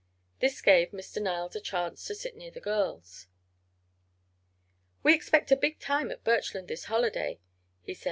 This gave Mr. Niles a chance to sit near the girls. "We expect a big time at Birchland this holiday," he said.